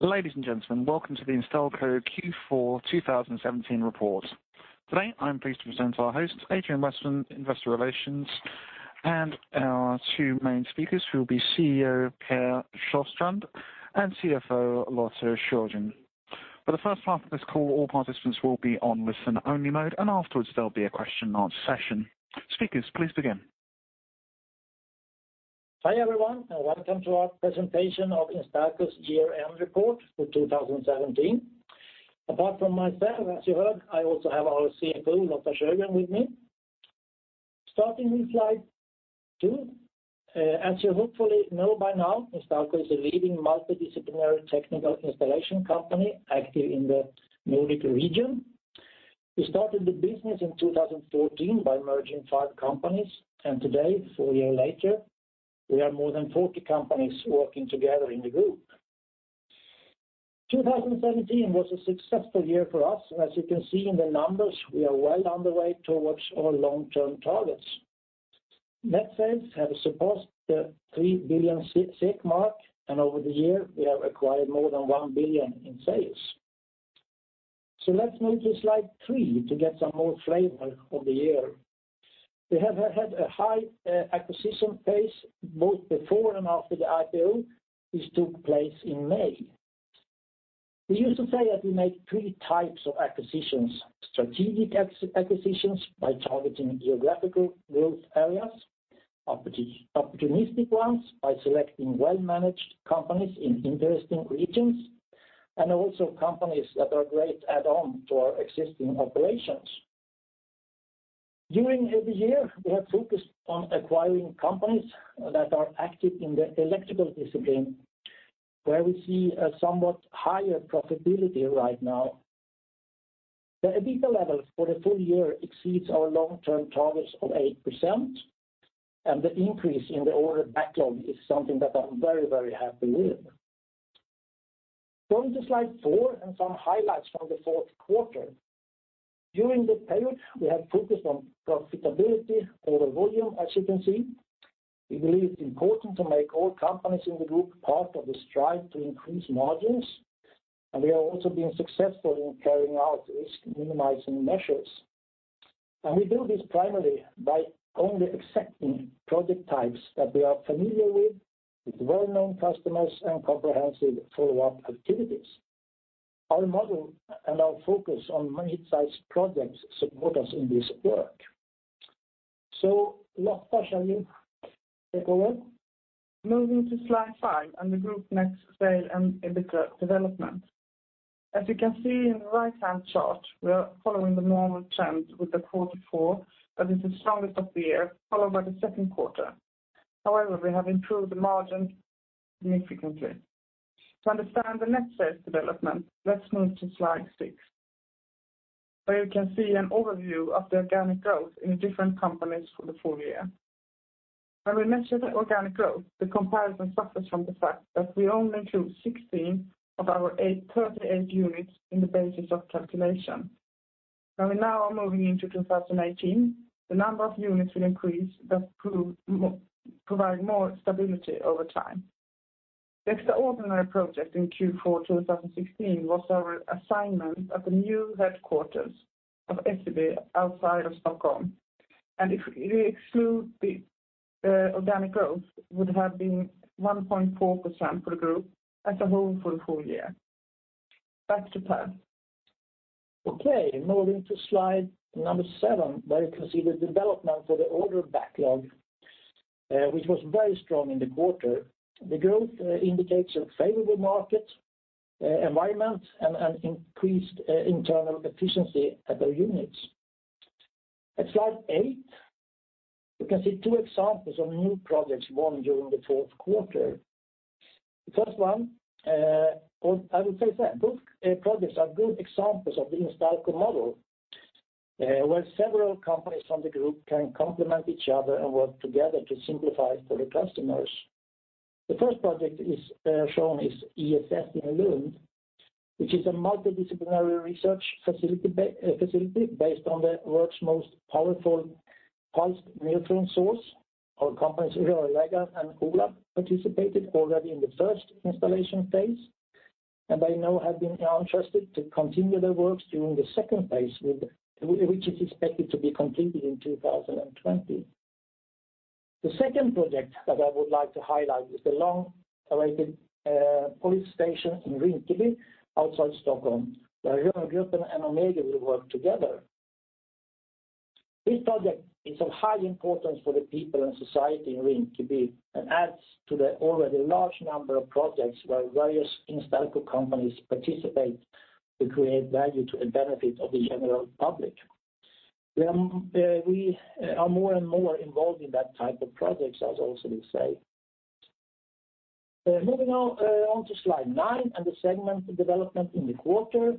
Ladies and gentlemen, welcome to the Instalco Q4 2017 report. Today, I'm pleased to present our host, Adrian Westman, Investor Relations, and our two main speakers who will be CEO, Per Sjöstrand, and CFO, Lotta Sjögren. For the first half of this call, all participants will be on listen-only mode. Afterwards, there'll be a question and answer session. Speakers, please begin. Welcome to our presentation of Instalco's year-end report for 2017. Apart from myself, as you heard, I also have our CFO, Lotta Sjögren, with me. Starting with slide two, as you hopefully know by now, Instalco is a leading multidisciplinary technical installation company active in the Nordic region. We started the business in 2014 by merging five companies. Today, four years later, we are more than 40 companies working together in the group. 2017 was a successful year for us. As you can see in the numbers, we are well on the way towards our long-term targets. Net sales have surpassed the 3 billion mark. Over the year, we have acquired more than 1 billion in sales. Let's move to slide three to get some more flavor of the year. We have had a high acquisition pace, both before and after the IPO, which took place in May. We use to say that we make three types of acquisitions: strategic acquisitions by targeting geographical growth areas, opportunistic ones by selecting well-managed companies in interesting regions, and also companies that are great add-on to our existing operations. During every year, we have focused on acquiring companies that are active in the electrical discipline, where we see a somewhat higher profitability right now. The EBITDA level for the full year exceeds our long-term targets of 8%, and the increase in the order backlog is something that I'm very happy with. Going to slide four and some highlights from the fourth quarter. During the period, we have focused on profitability over volume, as you can see. We believe it's important to make all companies in the group part of the strive to increase margins, and we have also been successful in carrying out risk minimizing measures. We do this primarily by only accepting project types that we are familiar with well-known customers, and comprehensive follow-up activities. Our model and our focus on mid-size projects support us in this work. Lotta, shall you take over? Moving to slide five, the group net sale and EBITDA development. As you can see in the right-hand chart, we are following the normal trend with the Q4, that is the strongest of the year, followed by the second quarter. However, we have improved the margin significantly. To understand the net sales development, let's move to slide six, where you can see an overview of the organic growth in different companies for the full year. When we measure the organic growth, the comparison suffers from the fact that we only include 16 of our 38 units in the basis of calculation. Now we are moving into 2018, the number of units will increase, thus provide more stability over time. The extraordinary project in` Q4 2016 was our assignment at the new headquarters of SCB outside of Stockholm. If we exclude the organic growth, would have been 1.4% for the group as a whole for the full year. Back to Per. Okay, moving to slide number seven, where you can see the development of the order backlog, which was very strong in the quarter. The growth indicates a favorable market environment and an increased internal efficiency at the units. At slide eight, you can see two examples of new projects won during the fourth quarter. The first one, well, I would say that both projects are good examples of the Instalco model, where several companies from the group can complement each other and work together to simplify for the customers. The first project is shown is ESS in Lund, which is a multidisciplinary research facility based on the world's most powerful pulsed neutron source. Our companies, Rörläggaren and ULA, participated already in the first installation phase. They now have been entrusted to continue their works during the second phase, which is expected to be completed in 2020. The second project that I would like to highlight is the long-awaited police station in Rinkeby outside Stockholm, where Rörgruppen and Ohmegi will work together. This project is of high importance for the people and society in Rinkeby and adds to the already large number of projects where various Instalco companies participate to create value to the benefit of the general public. We are more and more involved in that type of projects, as also we say. Moving on to slide nine and the segment development in the quarter.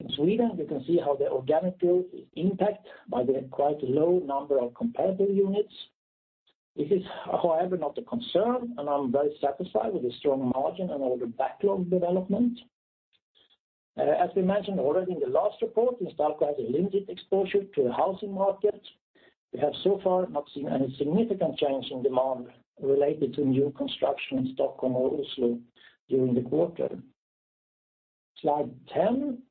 In Sweden, we can see how the organic growth is impacted by the quite low number of competitive units. This is, however, not a concern, and I'm very satisfied with the strong margin and order backlog development. As we mentioned already in the last report, Instalco has a limited exposure to the housing market. We have so far not seen any significant change in demand related to new construction in Stockholm or Oslo during the quarter. Slide 10,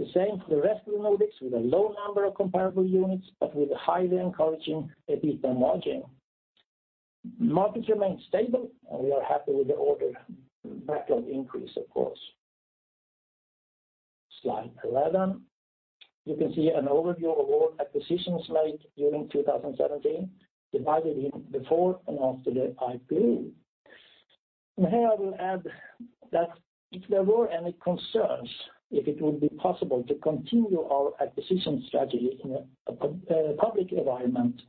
the same for the rest of the Nordics, with a low number of comparable units, but with a highly encouraging EBITDA margin. Markets remain stable, and we are happy with the order backlog increase, of course. Slide 11, you can see an overview of all acquisitions made during 2017, divided in before and after the IPO. Here I will add that if there were any concerns, if it would be possible to continue our acquisition strategy in a public environment,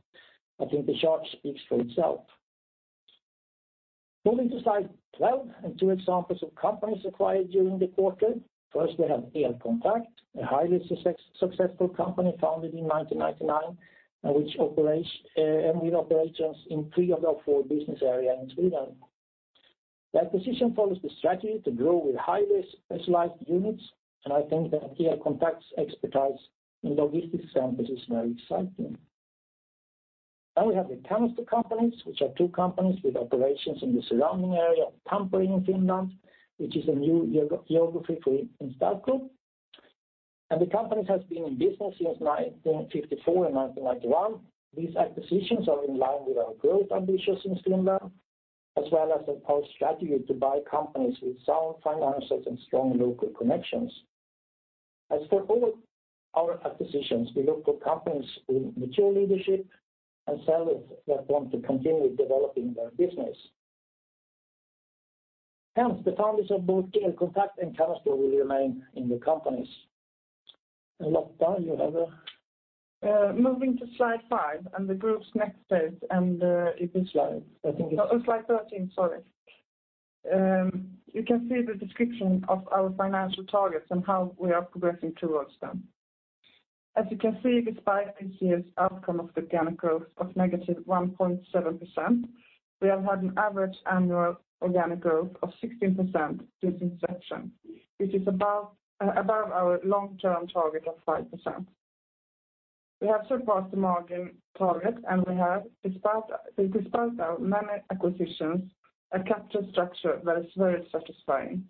I think the chart speaks for itself. Moving to slide 12, 2 examples of companies acquired during the quarter. First, we have Elkontakt, a highly successful company founded in 1999, and which operates, and with operations in three of our four business areas in Sweden. The acquisition follows the strategy to grow with highly specialized units, and I think that Elkontakt's expertise in logistics and this is very exciting. We have the Kannosto companies, which are two companies with operations in the surrounding area of Tampere in Finland, which is a new geography for Instalco. The company has been in business since 1954 and 1991. These acquisitions are in line with our growth ambitions in Finland, as well as our strategy to buy companies with sound finances and strong local connections. As for all of our acquisitions, we look for companies with mature leadership and sellers that want to continue developing their business. Hence, the founders of both Elkontakt and Kannosto will remain in the companies. Lotta, you have a? Moving to slide five, and the group's next phase. I think it's. Oh, slide 13, sorry. You can see the description of our financial targets and how we are progressing towards them. As you can see, despite this year's outcome of the organic growth of negative 1.7%, we have had an average annual organic growth of 16% since inception, which is above our long-term target of 5%. We have surpassed the margin target, and we have, despite our many acquisitions, a capital structure that is very satisfying.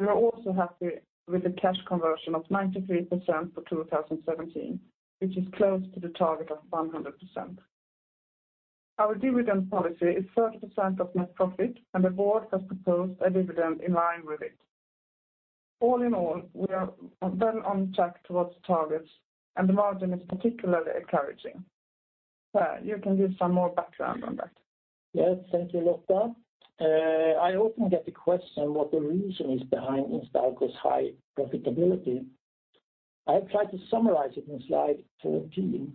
We are also happy with the cash conversion of 93% for 2017, which is close to the target of 100%. Our dividend policy is 30% of net profit, and the board has proposed a dividend in line with it. All in all, we are well on track towards targets, and the margin is particularly encouraging. Per, you can give some more background on that. Yes, thank you, Lotta. I often get the question, what the reason is behind Instalco's high profitability. I have tried to summarize it in slide 14.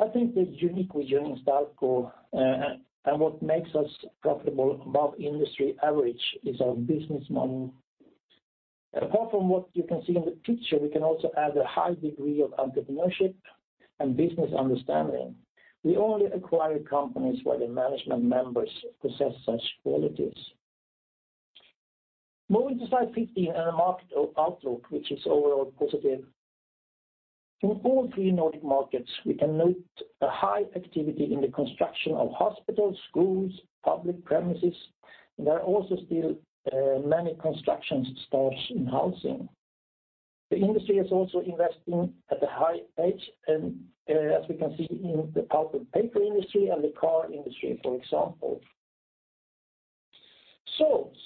I think the unique with Instalco, and what makes us profitable above industry average is our business model. Apart from what you can see in the picture, we can also add a high degree of entrepreneurship and business understanding. We only acquire companies where the management members possess such qualities. Moving to slide 15, a market outlook, which is overall positive. In all three Nordic markets, we can note a high activity in the construction of hospitals, schools, public premises, there are also still many construction starts in housing. The industry is also investing at a high pace, as we can see in the pulp and paper industry and the car industry, for example.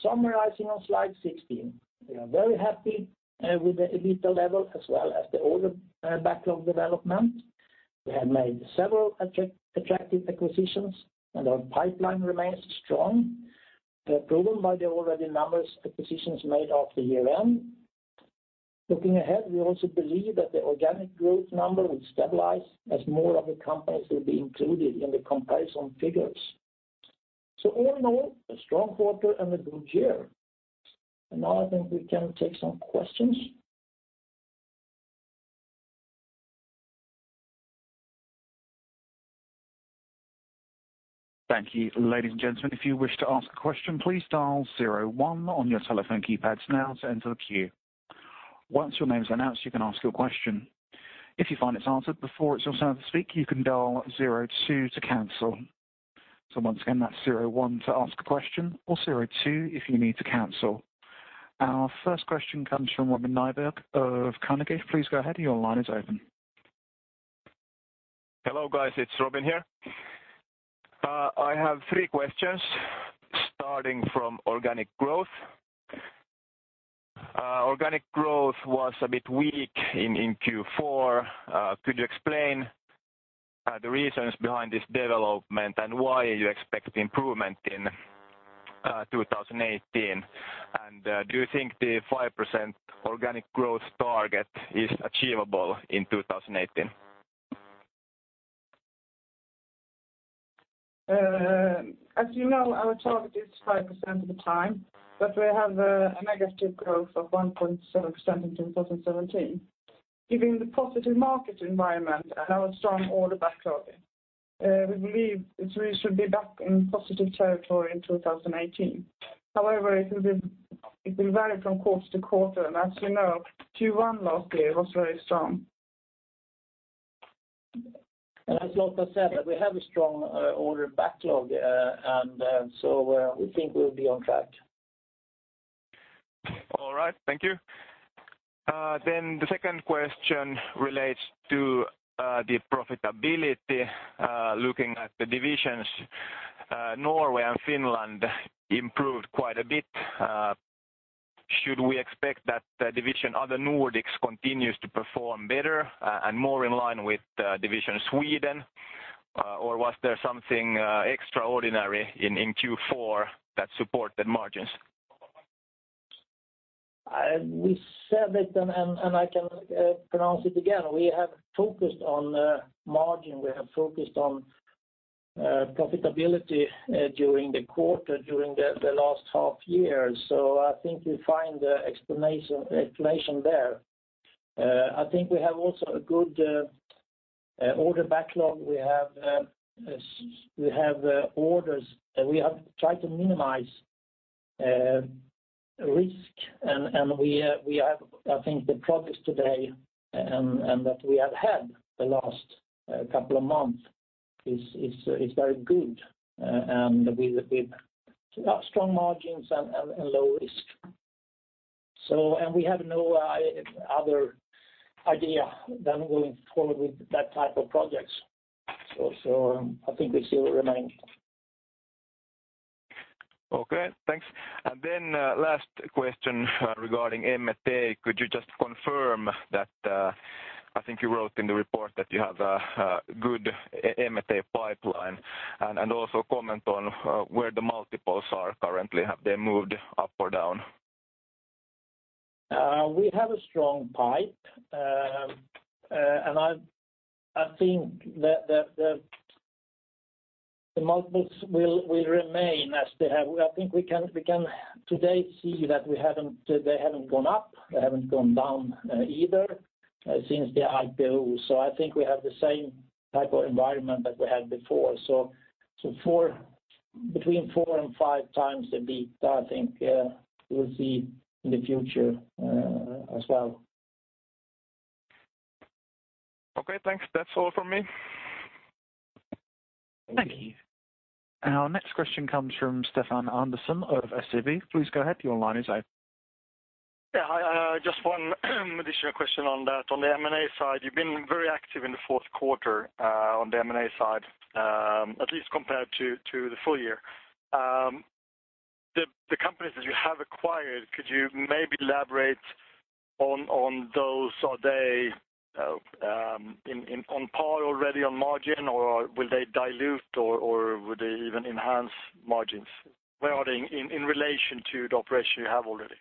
Summarizing on slide 16, we are very happy with the EBITDA level, as well as the order backlog development. We have made several attractive acquisitions, and our pipeline remains strong, proven by the already numerous acquisitions made after year-end. Looking ahead, we also believe that the organic growth number will stabilize as more of the companies will be included in the comparison figures. All in all, a strong quarter and a good year. Now I think we can take some questions. Thank you. Ladies and gentlemen, if you wish to ask a question, please dial zero one on your telephone keypads now to enter the queue. Once your name is announced, you can ask your question. If you find it's answered before it's your turn to speak, you can dial zero two to cancel. Once again, that's zero one to ask a question or zero two if you need to cancel. Our first question comes from Robin Nyberg of Carnegie. Please go ahead, your line is open. Hello, guys. It's Robin here. I have three questions, starting from organic growth. organic growth was a bit weak in Q4. could you explain the reasons behind this development and why you expect improvement in 2018? Do you think the 5% organic growth target is achievable in 2018? As you know, our target is 5% at the time. We have a negative growth of 1.7% in 2017. Given the positive market environment and our strong order backlog, we believe it should be back in positive territory in 2018. However, it will vary from quarter to quarter, and as you know, Q1 last year was very strong. As Lotta said, that we have a strong order backlog, and so we think we'll be on track. All right, thank you. The second question relates to the profitability, looking at the divisions, Norway and Finland improved quite a bit. Should we expect that the division, other Nordics, continues to perform better, and more in line with division Sweden, or was there something extraordinary in Q4 that supported margins? We said it, and I can pronounce it again. We have focused on margin, we have focused on profitability during the quarter, during the last half year. I think you find the explanation there. I think we have also a good order backlog. We have orders, and we have tried to minimize risk, and we have, I think, the progress today, and that we have had the last couple of months is very good. With strong margins and low risk. We have no other idea than going forward with that type of projects. I think we still remain. Okay, thanks. Last question regarding M&A. Could you just confirm that, I think you wrote in the report that you have a good M&A pipeline, and also comment on where the multiples are currently? Have they moved up or down? We have a strong pipe. I think that the multiples will remain as they have. I think we can today see that they haven't gone up, they haven't gone down, either, since the IPO. I think we have the same type of environment that we had before. Between 4x and 5x the beat, I think, we'll see in the future as well. Okay, thanks. That's all from me. Thank you. Our next question comes from Stefan Andersson of SEB. Please go ahead, your line is open. Hi, just one additional question on that. On the M&A side, you've been very active in the fourth quarter on the M&A side, at least compared to the full year. The companies that you have acquired, could you maybe elaborate on those? Are they in on par already on margin, or will they dilute, or would they even enhance margins? Where are they in relation to the operation you have already?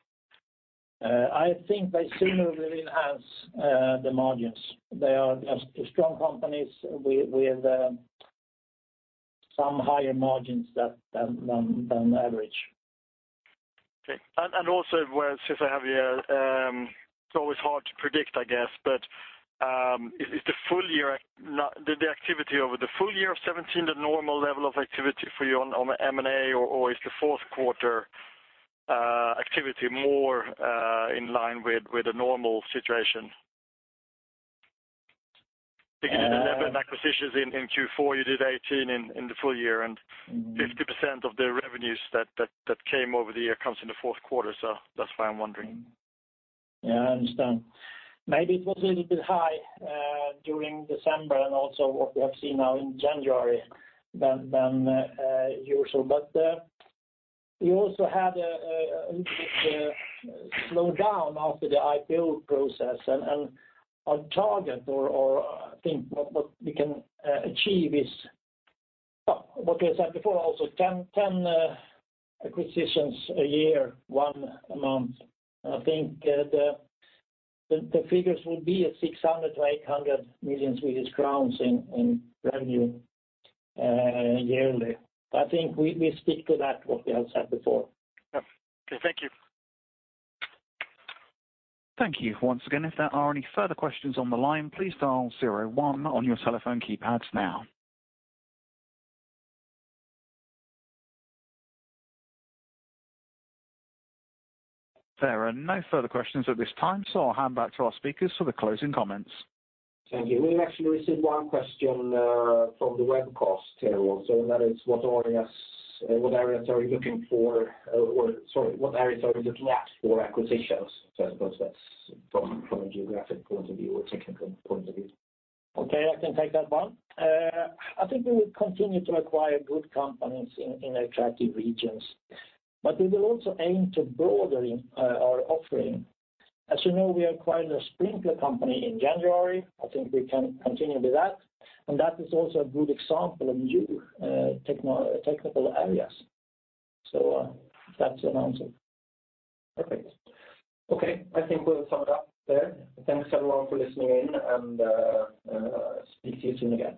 I think they similarly enhance the margins. They are as strong companies with some higher margins than average. Okay. Also, where, since I have you, it's always hard to predict, I guess, but is the full year, did the activity over the full year of 2017, the normal level of activity for you on the M&A, or is the fourth quarter activity more in line with the normal situation? I think you did 11 acquisitions in Q4, you did 18 in the full year, and 50% of the revenues that came over the year comes in the fourth quarter, so that's why I'm wondering. I understand. Maybe it was a little bit high during December and also what we have seen now in January than usual. We also had a slowdown after the IPO process, and on target or I think what we can achieve is, well, what I said before, also, 10 acquisitions a year, one a month. I think the figures will be at 600 million-800 million Swedish crowns in revenue yearly. I think we stick to that, what we have said before. Yep. Okay, thank you. Thank you. Once again, if there are any further questions on the line, please dial zero-one on your telephone keypads now. There are no further questions at this time. I'll hand back to our speakers for the closing comments. Thank you. We've actually received one question from the webcast here also. That is: what areas are you looking for? Sorry, what areas are you looking at for acquisitions? I suppose that's from a geographic point of view or technical point of view. Okay, I can take that one. I think we will continue to acquire good companies in attractive regions. We will also aim to broaden our offering. As you know, we acquired a sprinkler company in January. I think we can continue with that, and that is also a good example of new technical areas. That's the answer. Perfect. Okay, I think we'll sum it up there. Thanks, everyone, for listening in, and speak to you soon again.